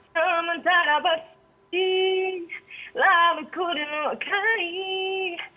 sementara bersih labat ku denguk kain